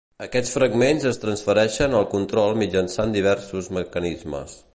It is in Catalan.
Aquests fragments es transfereixen el control mitjançant diversos mecanismes.